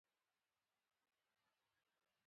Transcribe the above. رسیدونه او بیلونه وساتئ.